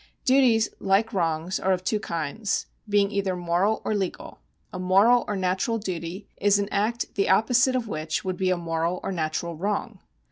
Duties, like wrongs, are of two kinds, being either moral or legal. A moral or natural duty is an act the opposite of which would be a moral or natural wrong.